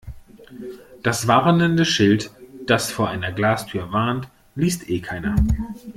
Das warnende Schild, das vor einer Glastür warnt, liest eh keiner.